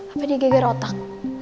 apa digeger otak